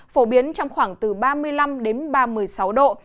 phổ biến trong khoảng từ ba mươi năm đến ba mươi sáu độ